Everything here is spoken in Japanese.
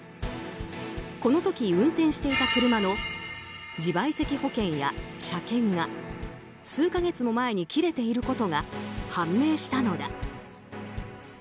この時、運転していた車の自賠責保険や車検が数か月も前に切れていることが判明したのだ。